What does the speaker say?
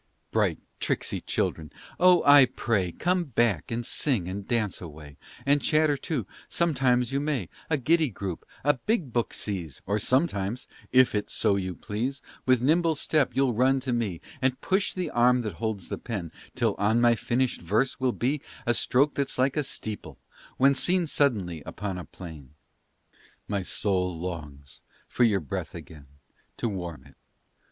Bright tricksy children oh, I pray Come back and sing and dance away, And chatter too sometimes you may, A giddy group, a big book seize Or sometimes, if it so you please, With nimble step you'll run to me And push the arm that holds the pen, Till on my finished verse will be A stroke that's like a steeple when Seen suddenly upon a plain. My soul longs for your breath again To warm it.